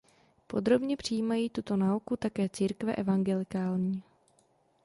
Podobně přijímají tuto nauku také církve evangelikální.